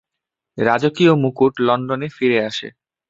রাজকীয় মুকুট লন্ডনে ফিরে আসে।